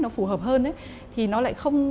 nó phù hợp hơn ấy thì nó lại không